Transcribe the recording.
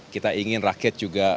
kita ingin rakyat juga